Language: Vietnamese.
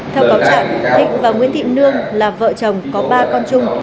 theo báo chạm thịnh và nguyễn thịnh nương là vợ chồng có ba con chung